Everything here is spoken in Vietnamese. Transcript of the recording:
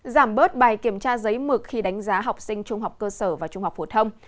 giảm bớt bài kiểm tra giấy mực khi đánh giá học sinh trung học cơ sở và trung học phổ thông